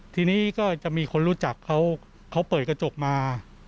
ทีนี้ก็จะมีคนรู้จักเขาเปิดกระจกมา